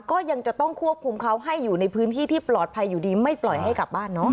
ก็ยังจะต้องควบคุมเขาให้อยู่ในพื้นที่ที่ปลอดภัยอยู่ดีไม่ปล่อยให้กลับบ้านเนาะ